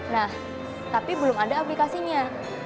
nah tapi belum ada aplikasinya